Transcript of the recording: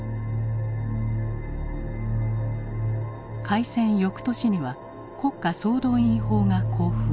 開戦翌年には国家総動員法が公布。